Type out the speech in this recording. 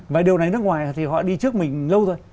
và điều này nước ngoài thì họ đi trước mình lâu rồi